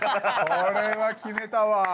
これは決めたわ。